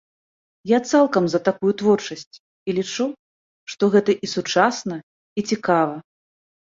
Я цалкам за такую творчасць і лічу, што гэта і сучасна, і цікава.